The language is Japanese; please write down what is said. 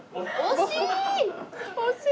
惜しい！